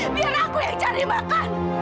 biar aku yang cari makan